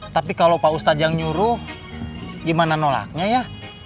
tapi kalau pak ustadz yang nyuruh gimana nolaknya ya